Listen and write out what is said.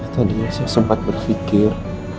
tadinya saya sempat berpikir